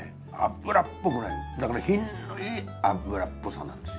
脂っぽくないだから品のいい脂っぽさなんです。